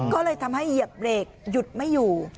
ก็เลยทำให้เหยียบเบรกหยุดไม่อยู่